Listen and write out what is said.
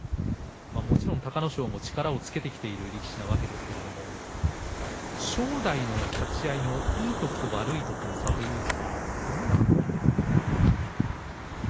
もちろん隆の勝も力をつけてきている力士なわけですけども正代の立ち合いのいいときと悪いときの差というのはどんなときですか？